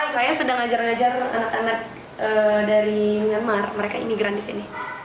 saya sedang ajar ngajar anak anak dari myanmar mereka imigran di sini